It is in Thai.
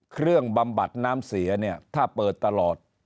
บำบัดน้ำเสียเนี่ยถ้าเปิดตลอด